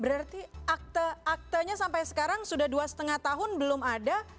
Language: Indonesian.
berarti aktenya sampai sekarang sudah dua lima tahun belum ada